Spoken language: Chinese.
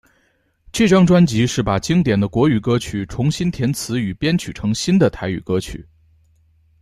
这张专辑是把经典的国语歌曲重新填词与编曲成新的台语歌曲。